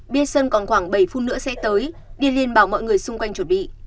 biết sơn còn khoảng bảy phút nữa sẽ tới điền liên bảo mọi người xung quanh chuẩn bị